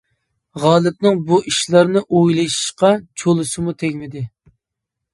غالىپنىڭ بۇ ئىشلارنى ئويلىشىشقا چولىسىمۇ تەگمىدى.